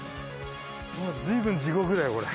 もうずいぶん地獄だよ